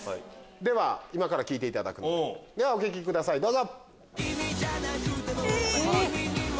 今から聴いていただきますではお聴きくださいどうぞ。